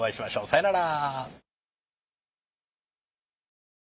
さよなら。